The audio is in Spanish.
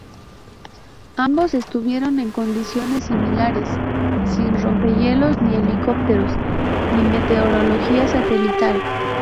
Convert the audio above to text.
Ambos estuvieron en condiciones similares, sin rompehielos, ni helicópteros ni meteorología satelital.